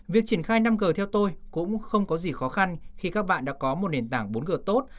việc triển khai năm g theo tôi cũng không có gì khó khăn khi các bạn đã có một nền tảng bốn g tốt